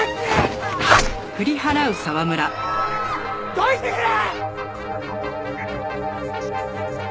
どいてくれ！